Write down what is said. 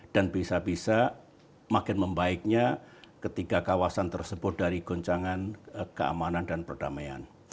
dan bisa bisa makin membaiknya ketiga kawasan tersebut dari goncangan keamanan dan perdamaian